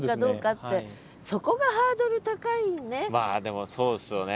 まあでもそうですよね